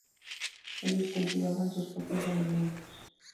Ellos cultivaban sus propios alimentos.